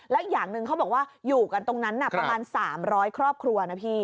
แล้วอย่างหนึ่งเขาบอกว่าอยู่กันตรงนั้นประมาณ๓๐๐ครอบครัวนะพี่